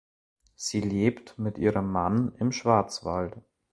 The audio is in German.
Sie lebt mit ihrem Mann im Schwarzwald.